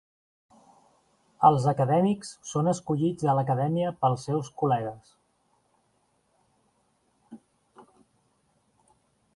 Els acadèmics són escollits a l'acadèmia pels seus col·legues.